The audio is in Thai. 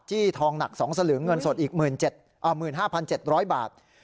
ทองหนัก๒สลึงเงินสดอีก๑๕๗๐๐บาท